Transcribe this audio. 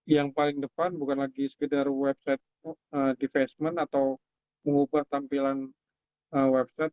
yang paling depan bukan lagi sekedar website defacement atau mengubah tampilan website